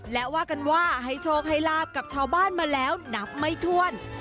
และว่ากันว่าให้โชคให้ลาบกับชาวบ้านมาแล้วนับไม่ถ้วน